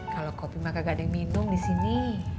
kalau kopi maka gak ada yang minum di sini